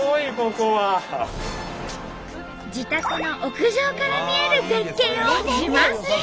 自宅の屋上から見える絶景を自慢する人。